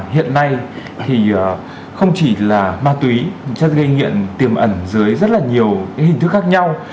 hiện nay thì không chỉ là ma túy chất gây nghiện tiềm ẩn dưới rất là nhiều hình thức khác nhau